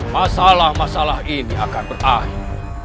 masalah masalah ini akan berakhir